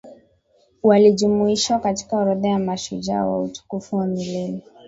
walijumuishwa katika orodha ya mashujaa wa utukufu wa milele